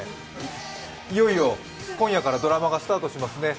いよいよ今夜からドラマがスタートしますね。